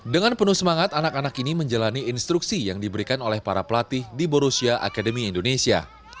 dengan penuh semangat anak anak ini menjalani instruksi yang diberikan oleh para pelatih di borussia akademi indonesia